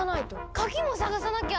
鍵もさがさなきゃ！